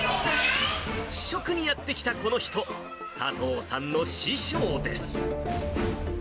試食にやって来たこの人、佐藤さんの師匠です。